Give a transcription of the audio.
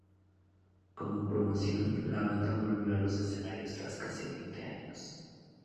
Como promoción, la banda volvió a los escenarios tras casi veinte años.